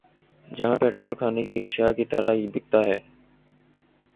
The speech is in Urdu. جہاں پیٹرول کھانے کی اشیا کی طرح بِکتا ہے